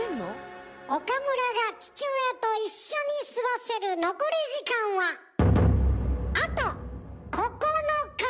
岡村が父親と一緒に過ごせる残り時間はあと９日。